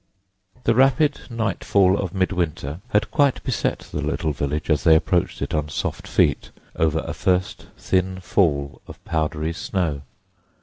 The rapid nightfall of mid December had quite beset the little village as they approached it on soft feet over a first thin fall of powdery snow.